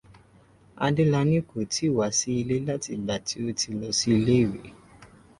Adélaní kò tí wá sí ilé láti ìgbàtí ó ti lọ sí ilé ìwé.